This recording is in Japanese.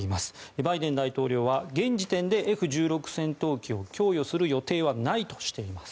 バイデン大統領は現時点でＦ１６戦闘機を供与する予定はないとしています。